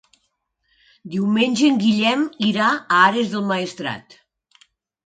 Diumenge en Guillem irà a Ares del Maestrat.